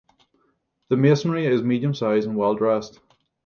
The masonry is medium-size, and well-dressed.